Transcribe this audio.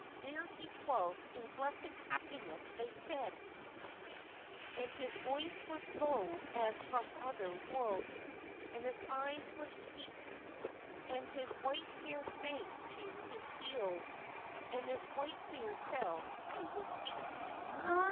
There he dwelt in blessed happiness, they said: "And his voice was low as from other worlds, and his eyes were sweet; _And his white hair sank to his heels, and his white beard fell to his feet.